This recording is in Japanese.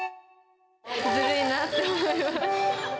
ずるいなって思います。